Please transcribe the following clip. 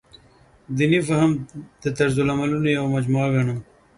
دیني فهم د طرزالعملونو یوه مجموعه ګڼم.